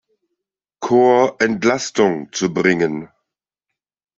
Korps Entlastung zu bringen.